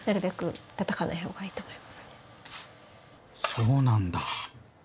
そうなんだ！